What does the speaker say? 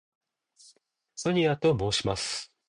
ソニアと申します。